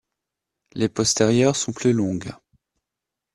Les postérieures sont plus longues.